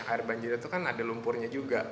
air banjir itu kan ada lumpurnya juga